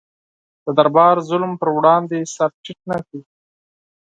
د دربار ظلم پر وړاندې سر ټیټ نه کړ.